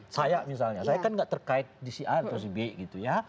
saya misalnya saya kan nggak terkait di si a atau si b gitu ya